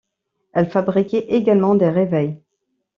Elle fabriquait également des réveils.